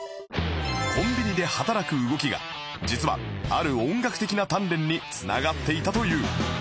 コンビニで働く動きが実はある音楽的な鍛錬に繋がっていたという